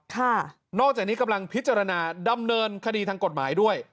นอกจากนี้กำลังพิจารณาดำเนินคดีทางกฎหมายด้วย